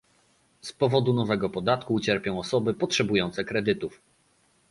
Z powodu nowego podatku ucierpią osoby potrzebujące kredytów